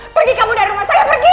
pergi kamu dari rumah saya pergi